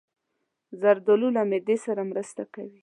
زردالو له معدې سره مرسته کوي.